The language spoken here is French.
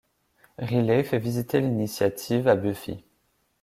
Riley fait visiter l'Initiative à Buffy.